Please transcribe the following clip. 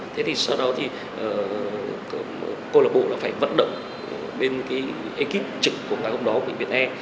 thế thì sau đó thì cơ lộ bộ là phải vận động bên cái ekip trực của cơ lộ bộ của bệnh viện e